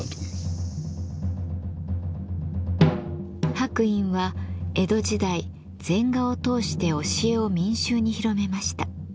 白隠は江戸時代禅画を通して教えを民衆に広めました。